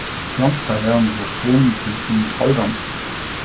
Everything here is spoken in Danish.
Blomsterhaven hos konen, som kunne trolddom.